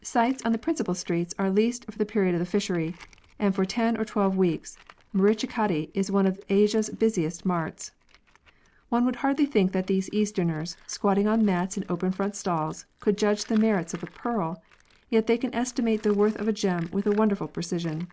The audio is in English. Sites on the principal streets are leased for the period of the fishery, and for ten or twelve weeks Marichchikkaddi is one of Asia's busiest marts. One would hardly think that these Easterners, squatting on mats in open front stalls, could judge the merits of a pearl, yet they can estimate the worth of a gem with a wonderful precision.